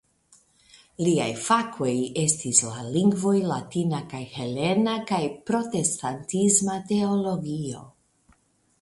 Liaj fakoj estis la lingvoj latina kaj helena kaj protestantisma teologio.